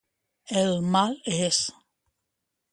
El mal és.